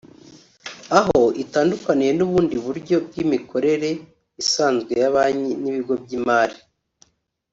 aho itandukaniye n’ubundi buryo bw’imikorere isanzwe ya Banki n’ibigo by’imari